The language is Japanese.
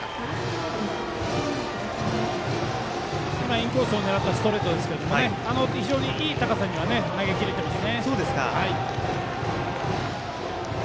インコースを狙ったストレートですがいい高さに投げ切れています。